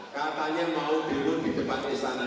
katanya mau tidur di depan istana